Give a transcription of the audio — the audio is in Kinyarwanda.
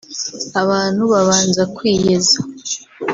abantu babanza kwiyeza